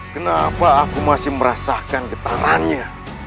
kenapa aku masih merasakan getarannya